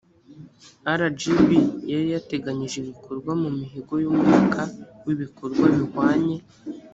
rgb yari yateganyije ibikorwa mu mihigo y umwaka wa ibikorwa bihwanye